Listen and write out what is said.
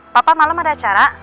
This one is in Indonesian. papa malem ada acara